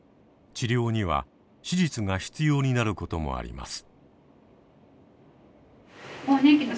治療には手術が必要になることもあります。